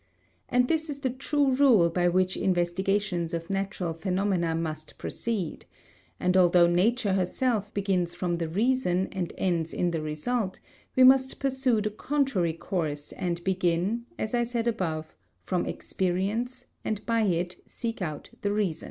And this is the true rule by which investigations of natural phenomena must proceed; and although nature herself begins from the reason and ends in the result, we must pursue the contrary course and begin, as I said above, from experience and by it seek out the reason.